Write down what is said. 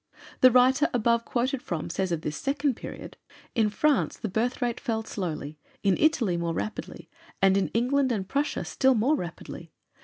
The writer above quoted from says of this second period: "In France the birth rate fell slowly, in Italy more rapidly, and in England and Prussia still more rapidly.